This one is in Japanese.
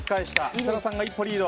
設楽さんが一歩リード。